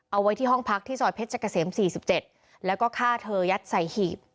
เอาไว้ที่ห้องพักที่ซอยเพชรเกษม๔๗แล้วก็ฆ่าเธอยัดใส่หีบ